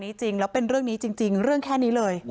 จริงแล้วเป็นเรื่องนี้จริงเรื่องแค่นี้เลย